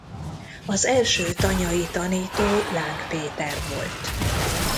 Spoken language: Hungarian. Az első tanyai tanító Láng Péter volt.